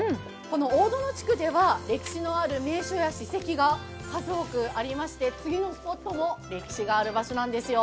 大殿地区では歴史のある名所や史跡が数多くありまして次のスポットも歴史がある場所なんですよ。